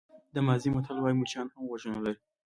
د مازی متل وایي مچان هم غوږونه لري.